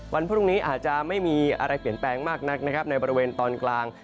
วันพรุ่งนี้อาจจะไม่มีอะไรเปลี่ยนแปลงมากนักนะครับในบริเวณตอนกลาง